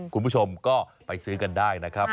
คุณผู้ชมก็ไปซื้อกันได้นะครับ